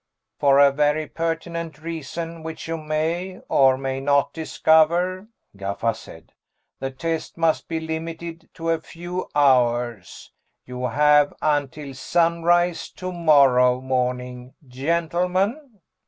"For a very pertinent reason which you may or may not discover," Gaffa said, "the test must be limited to a few hours. You have until sunrise tomorrow morning, gentlemen."